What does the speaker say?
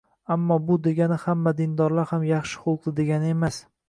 ammo bu degani hamma dindorlar ham yaxshi xulqli degani emas.